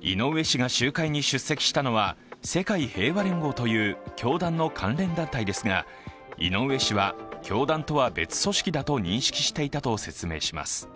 井上氏が集会に出席したのは、世界平和連合という教団の関連団体ですが、井上氏は、教団とは別組織だと認識していたと説明します。